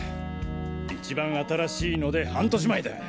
一番新しいので半年前だ。